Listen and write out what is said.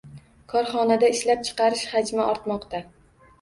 Korxonada ishlab chiqarish hajmi ortmoqda